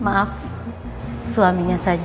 maaf suaminya saja